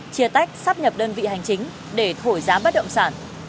chia tách sắp nhập đơn vị hành chính để thổi giá bất động sản